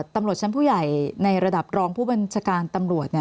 ตำรวจชั้นผู้ใหญ่ในระดับรองผู้บัญชาการตำรวจ